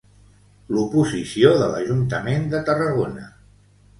L'oposició de l'Ajuntament de Tarragona.